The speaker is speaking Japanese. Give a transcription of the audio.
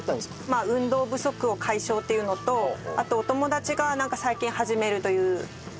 まあ運動不足を解消っていうのとあとお友達がなんか最近始めるという話を聞いて。